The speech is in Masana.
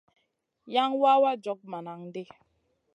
Yan wawa jog bananʼ ɗi.